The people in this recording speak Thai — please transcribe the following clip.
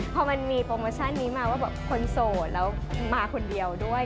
พอมันมีโปรโมชั่นนี้มาว่าแบบคนโสดแล้วมาคนเดียวด้วย